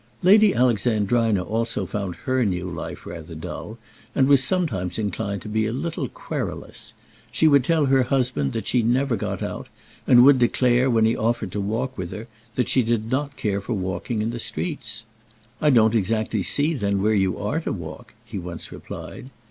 Lady Alexandrina also found her new life rather dull, and was sometimes inclined to be a little querulous. She would tell her husband that she never got out, and would declare, when he offered to walk with her, that she did not care for walking in the streets. "I don't exactly see, then, where you are to walk," he once replied.